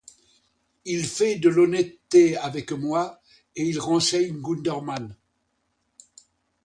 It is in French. Il fait de l'honnêteté avec moi, et il renseigne Gundermann.